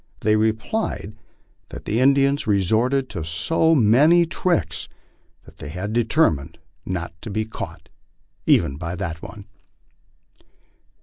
They replied that the Indians resorted to so many tricks that they had determined net to be caught MY LIFE OX THE PLAINS. even by that one.